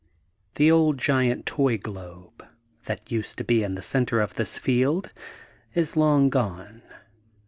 '' The old giant toy globe, that used to be in the center of this field, is long gone.